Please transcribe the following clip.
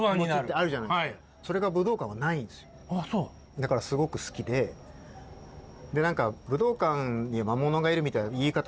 だからすごく好きで武道館には魔物がいるみたいな言い方